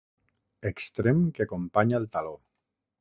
Extrem que acompanya el taló.